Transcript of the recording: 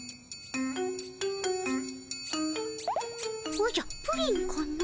おじゃプリンかの？